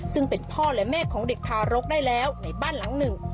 ซึ่งเป็นพ่อและแม่ของเด็กทารกได้แล้วในบ้านหลังหนึ่ง